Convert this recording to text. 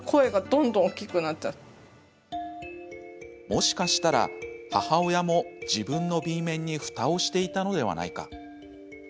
もしかしたら母親も自分のＢ面にふたをしていたのではないか。